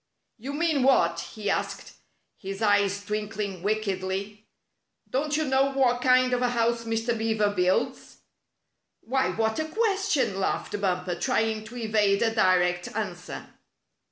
''You mean what?" he asked, his eyes twink ling wickedly. " Don't you know what kind of a house Mr. Beaver builds?" "Why, what a question?" laughed Bumper, trying to evade a direct answer.